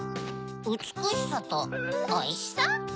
うつくしさとおいしさ？